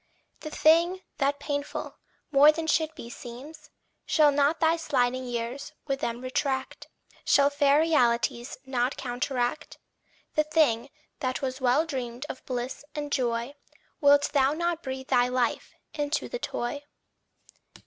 The thing that painful, more than should be, seems, Shall not thy sliding years with them retract Shall fair realities not counteract? The thing that was well dreamed of bliss and joy Wilt thou not breathe thy life into the toy?